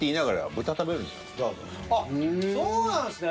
あっそうなんですね。